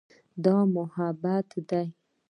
دا محبت ده.